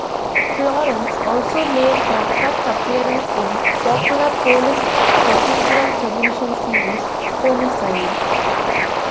Florance also made her first appearance in popular police procedural television series "Homicide".